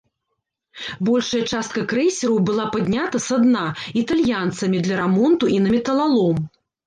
Большая частка крэйсераў была паднята са дна італьянцамі для рамонту і на металалом.